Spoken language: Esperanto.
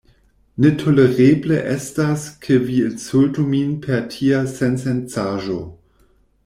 “Ne tolereble estas ke vi insultu min per tia sensencaĵo.”